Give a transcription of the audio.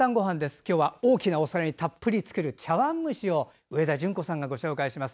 今日は大きなお皿にたっぷり作る茶碗蒸しを上田淳子さんがご紹介します。